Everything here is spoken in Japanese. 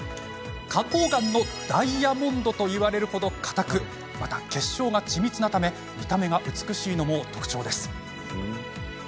花こう岩のダイヤモンドといわれるほど硬くまた結晶が緻密なため見た目が美しいのも特徴です。